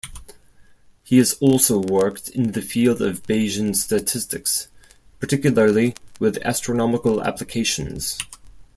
He has also worked in the field of Bayesian statistics, particularly with astronomical applications.